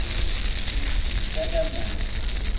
Ikfa Laman.